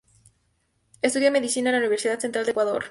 Estudia medicina en la Universidad Central del Ecuador.